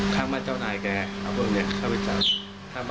เวลาเขามาเจอกันก็ไม่ปลอดใจครับ